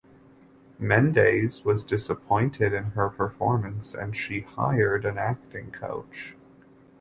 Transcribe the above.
Mendes was disappointed in her performance and she hired an acting coach.